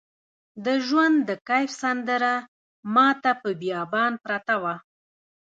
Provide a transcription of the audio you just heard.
د ژوند د کیف سندره ماته په بیابان پرته وه